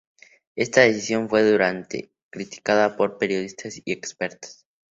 Esta decisión fue duramente criticada por periodistas y expertos.